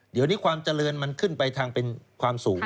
เดี๋ยวนี้ความเจริญมันขึ้นไปทางเป็นความสูง